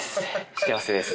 幸せです。